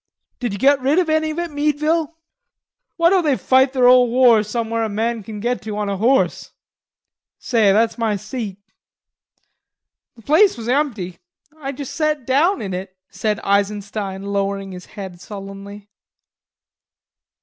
Did you get rid o' any of it, Meadville?" "Why don't they fight their ole war somewhere a man can get to on a horse?... Say that's my seat." "The place was empty.... I sat down in it," said Eisenstein, lowering his head sullenly.